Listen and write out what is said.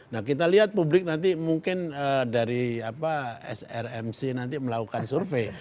nah kita lihat publik nanti mungkin dari srmc nanti melakukan survei